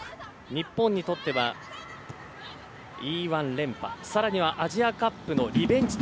日本にとってはＥ‐１連覇更にはアジアカップのリベンジ。